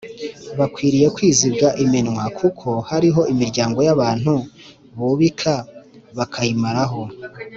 bakwiriye kuzibwa iminwa kuko hariho imiryango y’abantu bubika bakayimaraho